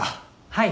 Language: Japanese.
はい。